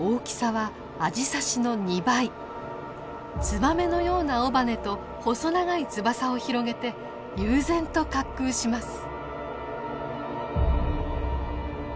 ツバメのような尾羽と細長い翼を広げて悠然と滑空します。